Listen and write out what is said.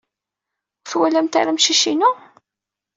Ur twalamt ara amcic-inu?